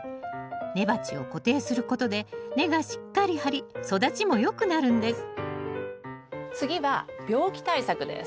根鉢を固定することで根がしっかり張り育ちもよくなるんです次は病気対策です。